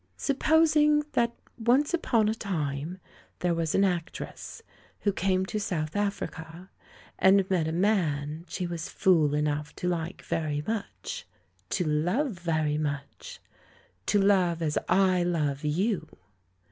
"Supposing that once upon a time there was an actress who came to South Africa and met a man she was fool enough to like very much — to love very much — to love as I love you!